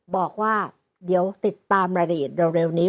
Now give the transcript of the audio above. บอกว่าเดี๋ยวติดตามรายละเอียดเร็วนี้